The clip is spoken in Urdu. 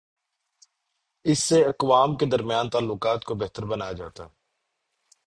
اس سے اقوام کے درمیان تعلقات کو بہتر بنایا جا تا ہے۔